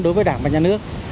đối với đảng và nhà nước